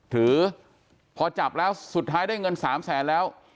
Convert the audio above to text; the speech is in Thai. ถือพอจับแล้วสุดท้ายได้เงิน๓แสนแล้ว